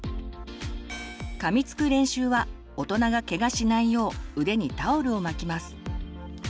かみつく練習は大人がケガしないよう腕にタオルを巻きます。